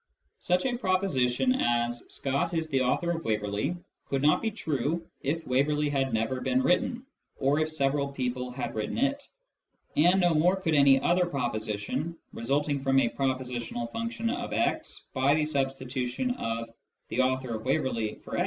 Such a proposition as " Scott is the author of Waverley " could not be true if Waverley had never been written, or if several people had written it ; and no more could any other proposition resulting from a propositional function x by the substitution of " the author of Waverley " for " x."